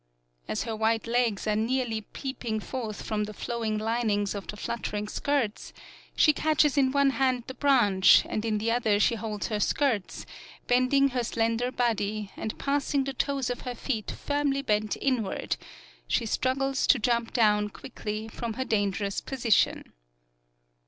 As her white legs are nearly peep ing forth from the flowing linings of the fluttering skirts, she catches in one hand the branch and in the other she holds her skirts, bending her slender body and 110 UKIYOE passing the toes of her feet firmly bent inward, she struggles to jump down quickly from her dangerous position.